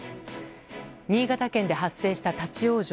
新潟県で発生した立ち往生。